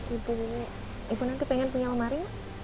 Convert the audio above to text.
ibu nanti pengen punya lemari